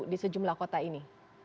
di sejumlah kota ini